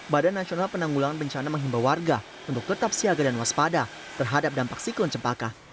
badan nasional penanggulangan bencana menghimbau warga untuk tetap siaga dan waspada terhadap dampak siklon cempaka